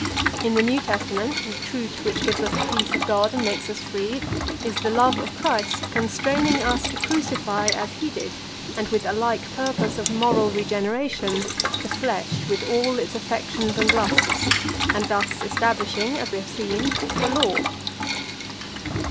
In the New Testament, the truth which gives us the peace of God and makes us free, is the love of Christ constraining us to crucify, as he did, and with a like purpose of moral regeneration, the flesh with its affections and lusts, and thus establishing, as we have seen, the law.